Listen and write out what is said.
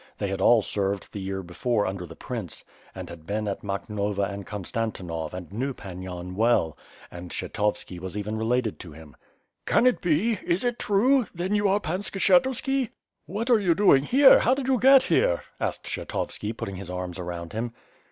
They had all served the year before under the prince, and had been at Makhnovka and Konstantinov and knew Pan Yan well, and Kshetovski was even related to him. "Can it be! Is it true! then you are Pan Skshetuski?" "What are you doing here, how did you get here?" asked Kshetovski, putting his arms around him.